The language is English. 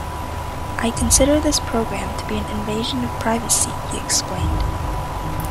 "I consider this programme to be an invasion of privacy", he explained.